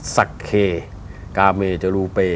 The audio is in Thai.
สะเคกาเมเจอรูเป